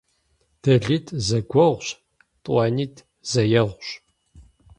ДелитӀ зэгуэгъущ, тӀуанитӀ зэегъущ.